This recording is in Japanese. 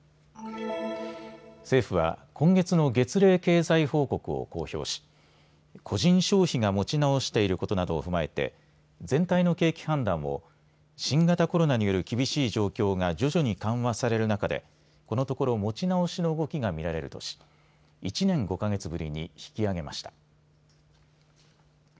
政府は今月の月例経済報告を公表し個人消費が持ち直していることなどを踏まえて全体の景気判断を新型コロナによる厳しい状況が徐々に緩和される中でこのところ持ち直しの動きが見られるとし１年５か月ぶりに引き上げました。